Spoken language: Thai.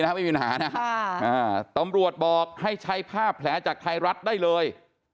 ตัำรวจบอกให้ใช้ผ้าแผลจากไทยรัฐได้เลย